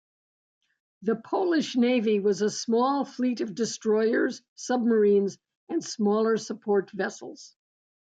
The Polish Navy was a small fleet of destroyers, submarines and smaller support vessels.